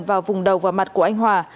vào vùng đầu và mặt của anh hòa